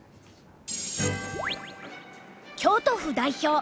京都府代表